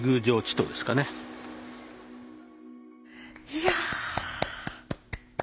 いや。